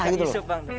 gak isu bang